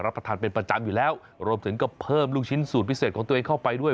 ประทานเป็นประจำอยู่แล้วรวมถึงก็เพิ่มลูกชิ้นสูตรพิเศษของตัวเองเข้าไปด้วย